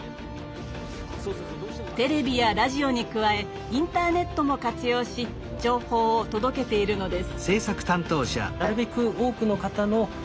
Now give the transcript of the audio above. テレビやラジオに加えインターネットも活用し情報を届けているのです。